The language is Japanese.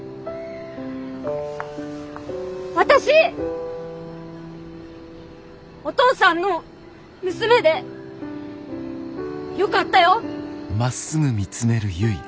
私お父さんの娘でよかったよ！